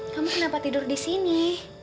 kamu kenapa tidur disini